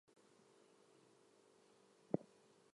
We have oncoming traffic two points on the starboard for example.